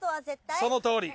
そのとおり。